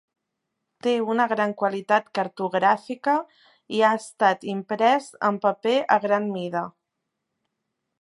Té una gran qualitat cartogràfica i ha estat imprès en paper a gran mida.